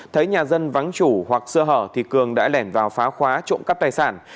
thấy nhà dân vắng chủ hoặc sơ hở thì cường đã lẻn vào phá khóa trộm cắp tài sản